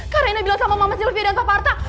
kak raina bilang sama mama sylvia dan papa arta